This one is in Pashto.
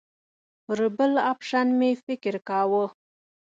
پر بل اپشن مې فکر کاوه.